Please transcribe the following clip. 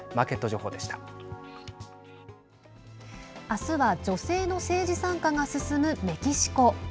あすは女性の政治参加が進むメキシコ。